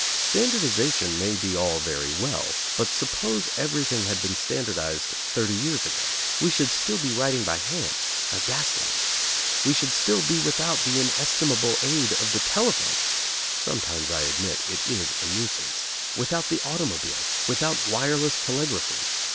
Standardization may be all very well, but suppose everything had been standardized thirty years ago, we should still be writing by hand, by gas light, we should be without the inestimable aid of the telephone (sometimes, I admit, it is a nuisance), without the automobile, without wireless telegraphy.